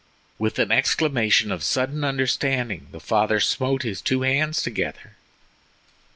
With an exclamation of sudden understanding the father smote his two hands together.